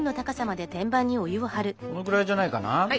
このくらいじゃないかな？